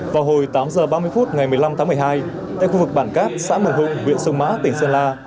vào hồi tám h ba mươi phút ngày một mươi năm tháng một mươi hai tại khu vực bản cát xã mường hùng viện sông mã tỉnh sơn la